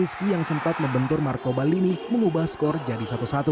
dan rizky yang sempat membentur marco ballini mengubah skor jadi satu satu